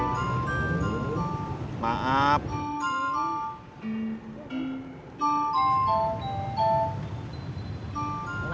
terima kasih bang